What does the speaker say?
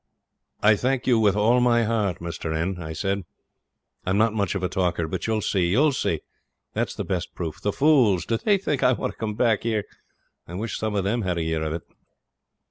'I thank you with all my heart, Mr. ,' I said. 'I'm not much of a talker, but you'll see, you'll see; that's the best proof. The fools, do they think I want to come back here? I wish some of them had a year of it.'